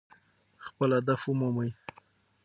خپل هدف ومومئ.